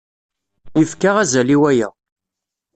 Yefka azal i waya.